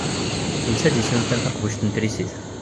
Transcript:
D netta i d-yesnulfan taqbuct n trisit.